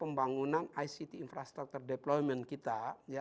pembangunan ict infrastructure development kita